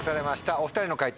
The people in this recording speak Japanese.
お２人の解答